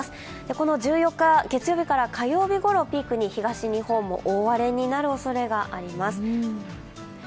この１４日、月曜日から火曜日ごろをピークに東日本も大荒れになるおそれがあります。